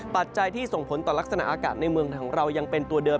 ปัจจัยที่ส่งผลต่อลักษณะอากาศในเมืองไทยของเรายังเป็นตัวเดิม